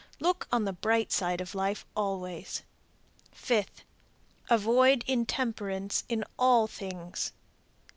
Look on the bright side of life always. Fifth. Avoid intemperance in all things.